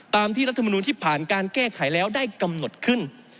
ตามที่รัฐมนุนที่ผ่านการแก้ไขแล้วได้กำหนดขึ้น